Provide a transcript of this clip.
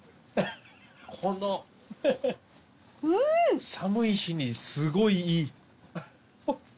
この寒い日にすごいいい。